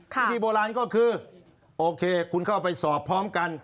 วิธีโบราณก็คือโอเคคุณเข้าไปสอบพร้อมกัน